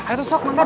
ayo sok kemana dulu